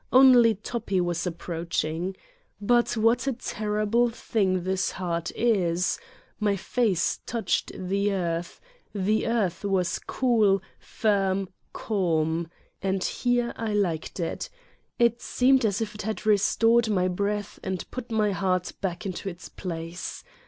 Only Toppi was approaching. But what a terrible thing this heart is ! My face touched the earth. The earth was cool, firm, calm and here I liked it. It seemed as if it had restored my breath and put my heart back into its place.